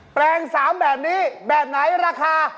แปลง๓แบบนี้แบบไหนราคา